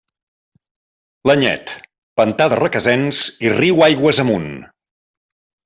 L'Anyet: pantà de Requesens i riu aigües amunt.